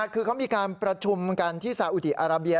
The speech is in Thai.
คือเขามีการประชุมกันที่ซาอุดีอาราเบีย